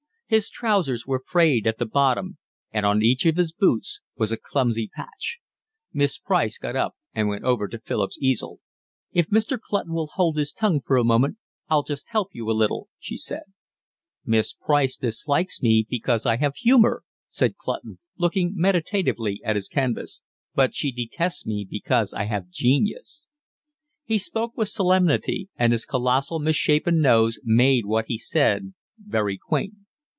His trousers were frayed at the bottom, and on each of his boots was a clumsy patch. Miss Price got up and went over to Philip's easel. "If Mr. Clutton will hold his tongue for a moment, I'll just help you a little," she said. "Miss Price dislikes me because I have humour," said Clutton, looking meditatively at his canvas, "but she detests me because I have genius." He spoke with solemnity, and his colossal, misshapen nose made what he said very quaint.